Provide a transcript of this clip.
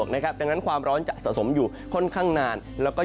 ค่อยสะดวกนะครับดังนั้นความร้อนจะสะสมอยู่ค่อนข้างนานแล้วก็